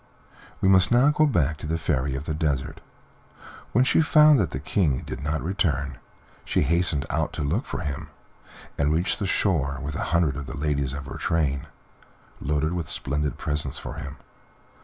We must now go back to the Fairy of the Desert. When she found that the King did not return, she hastened out to look for him, and reached the shore, with a hundred of the ladies of her train, loaded with splendid presents for him.